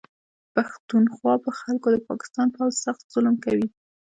د پښتونخوا په خلکو د پاکستان پوځ سخت ظلم کوي